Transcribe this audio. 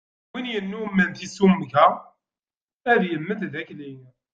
Win yennumen tissumga, ad yemmet d akli.